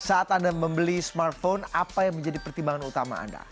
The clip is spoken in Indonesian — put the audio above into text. saat anda membeli smartphone apa yang menjadi pertimbangan utama anda